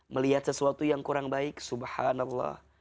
melihat sesuatu yang kurang baik subhanallah